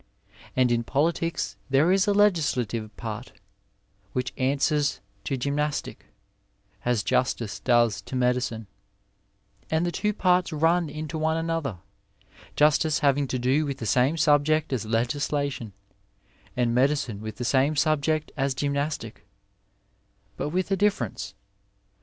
And in politics there is a legislative part, which answers to gymnastic, as justice does to medicine ; and the two parts run into one another, justice having to do with the same subject as legislation, and medicine with the same subject as gymnastic, but with a difference.